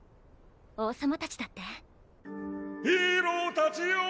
王さまたちだってヒーローたちよ！